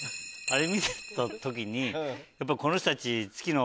あれ見てた時にやっぱこの人たち。